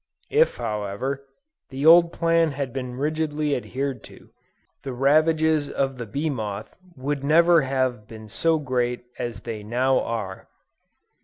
If however, the old plan had been rigidly adhered to, the ravages of the bee moth would never have been so great as they now are.